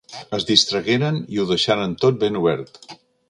Es distragueren i ho deixaren tot ben obert.